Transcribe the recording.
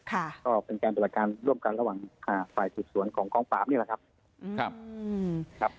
ก็เป็นการตรวจการร่วมกันระหว่างฝ่ายสืบสวนของกองปราบนี่แหละครับ